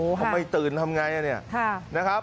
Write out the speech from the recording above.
มาไหนตื่นมันทำไง